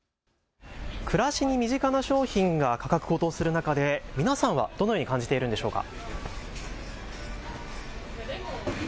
暮らしに身近な商品が価格高騰する中で、皆さんはどのように感じているんでしょうか。